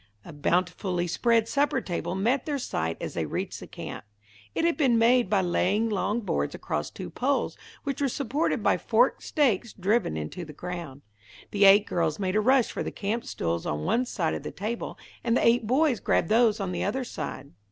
A bountifully spread supper table met their sight as they reached the camp. It had been made by laying long boards across two poles, which were supported by forked stakes driven into the ground. The eight girls made a rush for the camp stools on one side of the table, and the eight boys grabbed those on the other side.